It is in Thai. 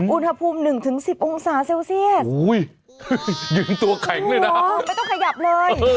อุณหภูมิ๑๑๐องศาเซลเซียสโอ้โฮยืนตัวแข็งด้วยนะโอ้โฮไม่ต้องขยับเลย